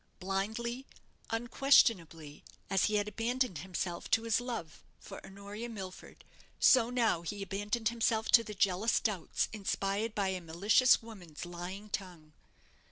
Blindly, unquestionably, as he had abandoned himself to his love for Honoria Milford, so now he abandoned himself to the jealous doubts inspired by a malicious woman's lying tongue.